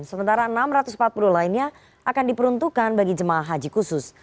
sementara enam ratus empat puluh lainnya akan diperuntukkan bagi jemaah haji khusus